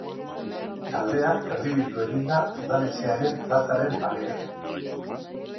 Taldea erdibitu egin da udaletxearen plazaren parean.